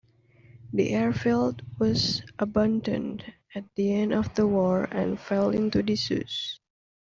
The airfield was abandoned at the end of the war and fell into disuse.